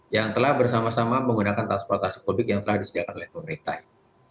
yang telah bersama sama menggunakan transportasi publik yang telah disediakan oleh pemerintah ini